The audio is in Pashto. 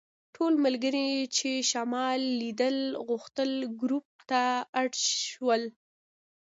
ټول ملګري چې شمال لیدل غوښتل ګروپ ته اډ شول.